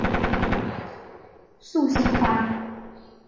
素兴花